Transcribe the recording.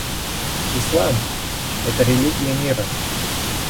Ислам — это религия мира.